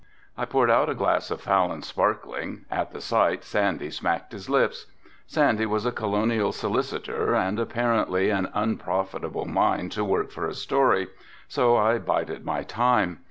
I poured out a glass of Falon's sparkling, at the sight Sandy smacked his lips. Sandy was a colonial solicitor and apparently an unprofitable mine to work for a story, so I bided my time.